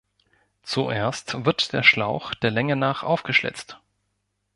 Zuerst wird der Schlauch der Länge nach aufgeschlitzt.